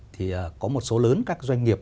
thì có một số lớn các doanh nghiệp